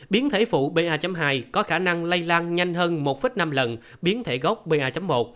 biến thể phụ ba hai có khả năng lây lan nhanh hơn một năm lần biến thể gốc ba một